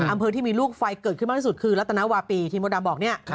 อำเภอที่มีลูกไฟเกิดขึ้นมากที่สุดคือรัตนาวาปีที่มดดำบอกเนี่ย